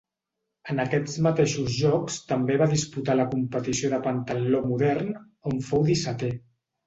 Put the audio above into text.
En aquests mateixos Jocs també va disputar la competició de pentatló modern, on fou dissetè.